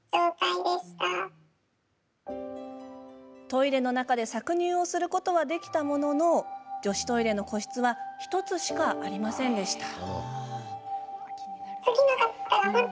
トイレの中で搾乳をすることはできたものの女子トイレの個室は１つしかありませんでした。